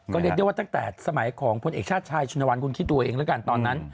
ก็เรียกว่าตั้งแต่สมัยของพลเอกชาติชายชุณวันกุญกิตรวยเองตอนนั้น